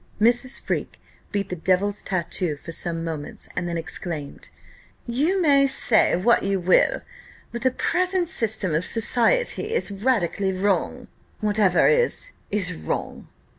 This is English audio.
Mrs. Freke beat the devil's tattoo for some moments, and then exclaimed, "You may say what you will, but the present system of society is radically wrong: whatever is, is wrong."